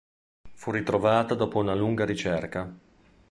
Fu ritrovata dopo una lunga ricerca.